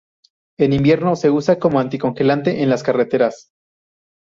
En invierno se usa como anticongelante en las carreteras.